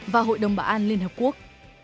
và hội đồng bảo an liên hợp quốc